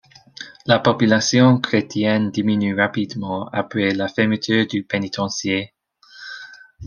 La population chrétienne diminue rapidement après la fermeture du pénitencier.